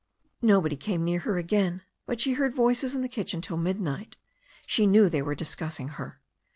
Nobody came near her again. But she heard voices in the kitchen till midnight. She knew they were discussing her.